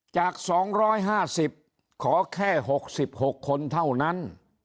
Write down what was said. จากสองร้อยห้าสิบขอแค่หกสิบหกคนเท่านั้น